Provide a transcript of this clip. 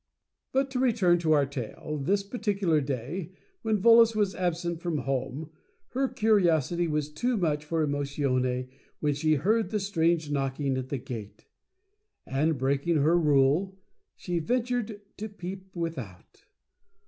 But, to return to our tale, this particular day when Volos was absent from Home, her curiosity was too much for Emotione when she heard the strange knockings at the Gate. And, breaking her rule, she ventured to peep without.